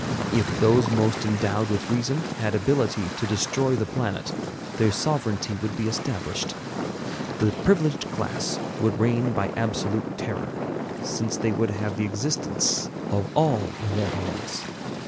If those most endowed with reason had ability to destroy the planet, their sovereignty would be established. The privileged class would reign by absolute terror, since they would have the existence of all in their hands.